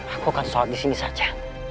aku akan salat di sini saja